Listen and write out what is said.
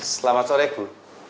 selamat sore bu